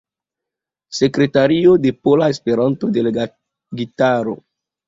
Sekretario de Pola Esperanto-Delegitaro.